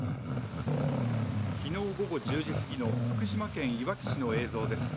昨日午後１０時過ぎの福島県いわき市の映像です。